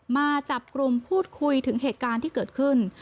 มาจับกลุ่มพูดคุยถึงเหตุการณ์ที่เกิดขึ้น